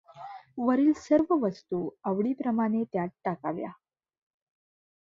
वरील सर्व वस्तू आवडीप्रमाणे त्यात टाकाव्या.